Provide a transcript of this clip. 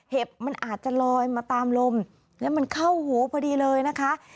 มันอาจจะลอยมาตามลมแล้วมันเข้าหูพอดีเลยนะคะ